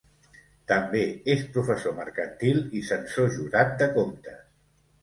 També és Professor Mercantil i Censor Jurat de Comptes.